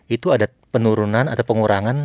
itu ada penurunan atau pengurangan